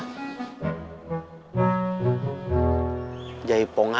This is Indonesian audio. kamu bisa jaipongan